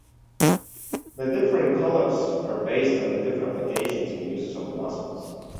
The different colors are based on the different locations and uses of the muscles.